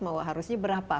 mau harusnya berapa